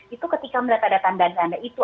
itu ketika melihat ada tanda tanda itu